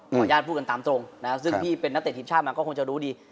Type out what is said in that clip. ขออนุญาตพูดกันตามตรงซึ่งพี่เป็นนักเศรษฐีชาติมันก็คงจะรู้ดี